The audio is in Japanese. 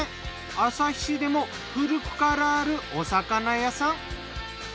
旭市でも古くからあるお魚屋さん。